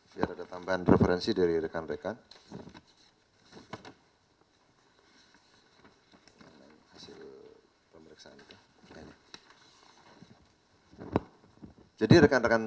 biar ada tambahan referensi dari rekan rekan